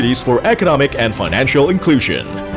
kesempatan untuk ekonomi dan inklusi finansial